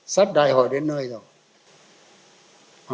xót đại hội đến nơi rồi